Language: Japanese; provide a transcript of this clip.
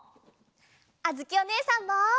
あづきおねえさんも！